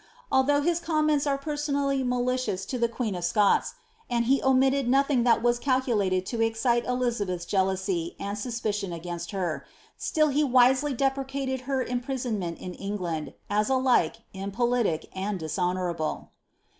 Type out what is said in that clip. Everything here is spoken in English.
Ahhough his comments are personally malicious to the queen of Scots, and he omitted nothing that was calcu lated to eicite Elizabeth's jealousy and suspicion against her, still he Tisely deprecated her imprisonment in England, as alike impolitic and dishonourable.'